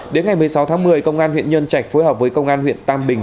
đến ngày một mươi sáu tháng một mươi công an huyện nhân trạch phối hợp với công an huyện tam bình